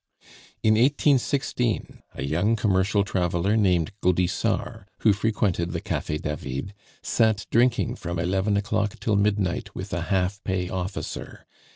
In 1816 a young commercial traveler named Gaudissart, who frequented the Cafe David, sat drinking from eleven o'clock till midnight with a half pay officer.